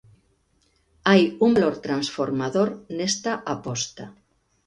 Hai un valor transformador nesta aposta.